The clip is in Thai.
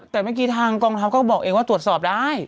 แต่เมื่อกี้ทางกองทัพก็บอกเองว่าตรวจสอบได้